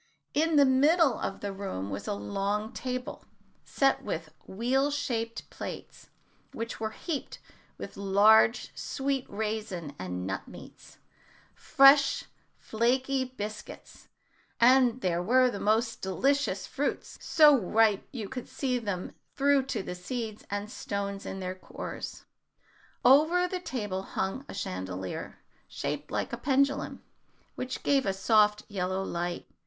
In the middle of the room was a long table, set with wheel shaped plates, which were heaped with large sweet raisins and nut meats, fresh flaky biscuits, and there were the most delicious fruits, so ripe you could see through to the seeds and stones in their cores. Over the table hung a chandelier, shaped like a pendulum, which gave a soft yellow light.